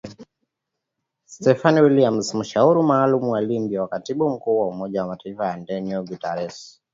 Stephanie Williams mshauri maalum kwa Libya wa katibu mkuu wa Umoja wa Mataifa Antonio Guterres,